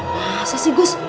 masa sih gus